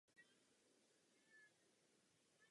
Podle mého názoru je to jasné.